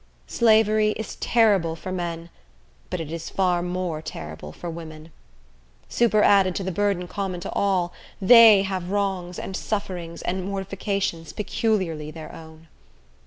Slavery is terrible for men; but it is far more terrible for women. Superadded to the burden common to all, they have wrongs, and sufferings, and mortifications peculiarly their own.